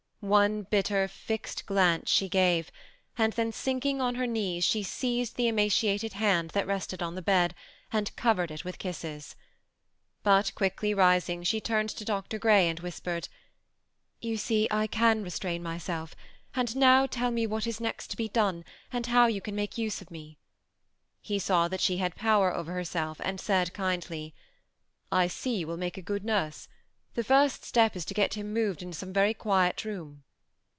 One bitter fixed glance she gave, and then sinkmg on her knees she seized the emaciated hand that rested on the bed, and covered it with kisses. But quickly rising, she turned to Dr. Grey and whispered, ^^ You see I can restrain myself, and now tell me what is next to be done^ and how you can make 310 THE 3EBO ATTACHED COUPLE. me of use." He saw that she had power over herself and said kindly, "I see you will make a good nurse. The first step is to get him moved into some very quiet room."